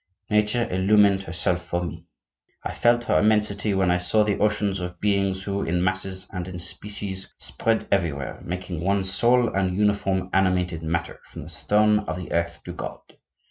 Nature illumined herself for me; I felt her immensity when I saw the oceans of beings who, in masses and in species, spread everywhere, making one sole and uniform animated Matter, from the stone of the earth to God.